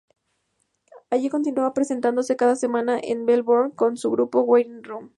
Alan continúa presentándose cada semana en Melbourne con su grupo "Waiting Room".